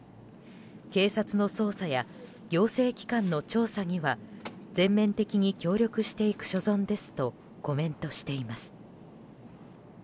警察の捜査や行政機関の調査には全面的に協力していく所存ですとコメントしています。